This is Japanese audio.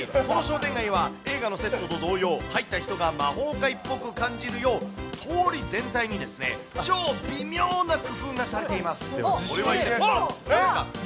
この商店街は映画のセットと同様、入った人が魔法界っぽく感じるよう、通り全体に超微妙な工夫がされています。